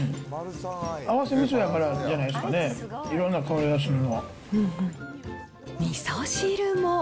合わせみそやからじゃないですかね、いろんな香りがするのはみそ汁も。